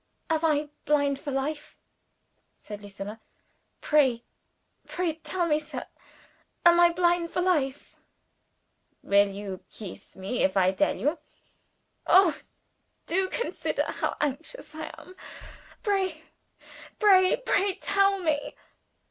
"Am I blind for life?" said Lucilla. "Pray, pray tell me, sir! Am I blind for life?" "Will you kees me if I tell you?" "Oh, do consider how anxious I am! Pray, pray, pray tell me!"